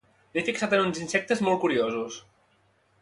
M'he fixat en uns insectes molt curiosos